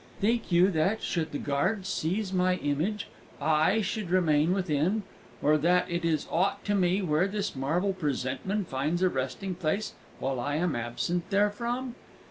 Think you that, should the guards seize my image, I should remain within, or that it is aught to me where this marble presentment finds a resting place while I am absent therefrom?